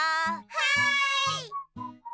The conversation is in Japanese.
はい！